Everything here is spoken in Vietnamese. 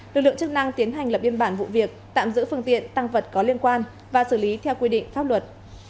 lực lượng chức năng tiến hành lập biên bản vụ việc tạm giữ phương tiện tăng vật có liên quan và xử lý theo quy định pháp luật